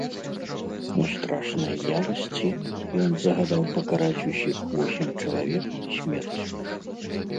У страшнай ярасці ён загадаў пакараць усіх восем чалавек смерцю.